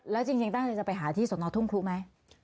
แล้วจริงตั้งใจจะไปหาที่สนทุ่งครูไหม